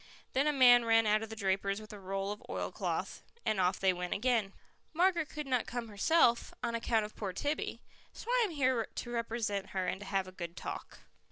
Then a man ran out of the draper's with a roll of oilcloth, and off they went again. "Margaret could not come herself, on account of poor Tibby, so I am here to represent her and to have a good talk."